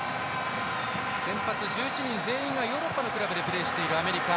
先発１１人全員がヨーロッパのリーグでプレーしているアメリカ。